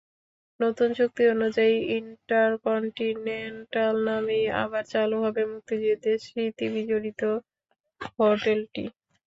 নতুন চুক্তি অনুযায়ী, ইন্টারকন্টিনেন্টাল নামেই আবার চালু হবে মুক্তিযুদ্ধের স্মৃতিবিজড়িত হোটেলটি।